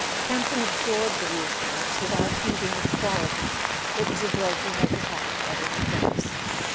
Camp ton absorbed the reassurance without heeding its qual¬ ity: it was a drug he had to have at any price.